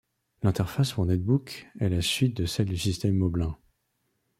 L'interface pour Netbook est la suite de celle du système Moblin.